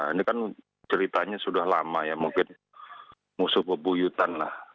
ini kan ceritanya sudah lama ya mungkin musuh pebuyutan lah